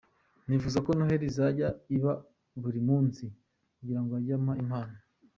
Nifuza ko Noheli yajya iba buri munsi kugirango ajye ampa impano .